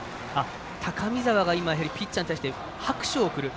高見澤がピッチャーに対して拍手を送る。